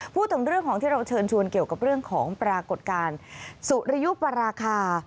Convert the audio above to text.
พูดถึงเรื่องของที่เราเชิญชวนเกี่ยวกับเรื่องของปรากฏการณ์สุริยุปราคา